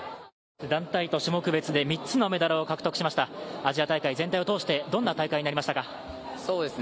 団体と種目別で３つのメダルを獲得しましたアジア大会、全体を通してどんな大会になりましたか。